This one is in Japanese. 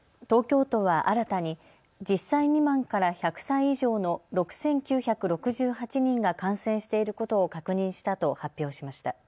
東京都は新たに１０歳未満から１００歳以上の６９６８人が感染していることを確認したと発表しました。